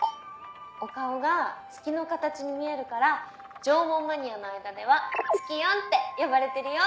お顔が月の形に見えるから縄文マニアの間ではツキヨンって呼ばれてるよ！